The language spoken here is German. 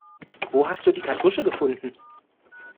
Wo hast du die Kartusche gefunden?